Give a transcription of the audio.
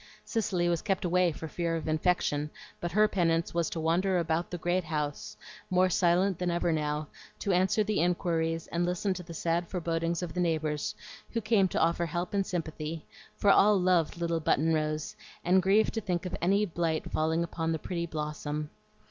Cicely was kept away for fear of infection, but HER penance was to wander about the great house, more silent than ever now, to answer the inquiries and listen to the sad forebodings of the neighbors, who came to offer help and sympathy; for all loved little Button Rose, and grieved to think of any blight falling on the pretty blossom.